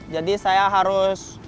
jadi saya harus